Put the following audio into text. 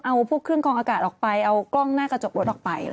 เอาพวกเครื่องกองอากาศออกไปเอากล้องหน้ากระจกรถออกไป